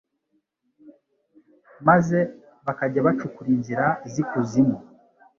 maze bakajya bacukura inzira z'ikuzimu